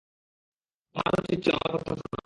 তোমার উচিৎ ছিল আমার কথা শোনা।